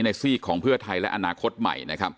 ในซีกของเพื่อไทยและอนาคตใหม่